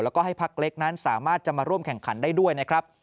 แล้วก็ให้พักเล็กนั้นสามารถจะมาร่วมแข่งขันได้ด้วยนะครับ